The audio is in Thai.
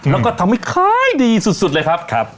แล้วก็ทำให้ขายดีสุดเลยครับ